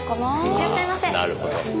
いらっしゃいませ。